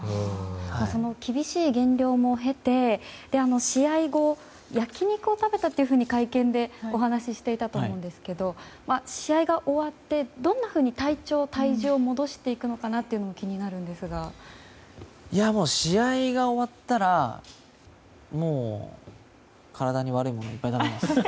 その厳しい減量も経て試合後焼き肉を食べたというふうに会見でお話をしていたと思うんですけども試合が終わってどんなふうに体調、体重を戻していくのかなというのも試合が終わったらもう、体に悪いものをいっぱい食べます。